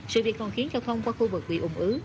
sự việc còn khiến giao thông qua khu vực bị ủng ứ